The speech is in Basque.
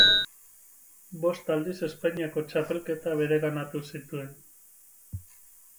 Bost aldiz Espainiako txapelketa bereganatu zituen.